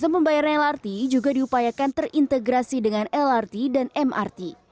pembayaran lrt juga diupayakan terintegrasi dengan lrt dan mrt